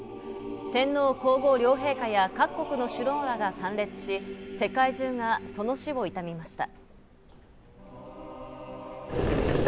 天皇皇后両陛下や各国の首脳らが参列し、世界中がその死を悼みました。